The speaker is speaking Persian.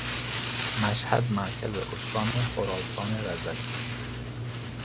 مشهد مرکز استان خراسان رضوی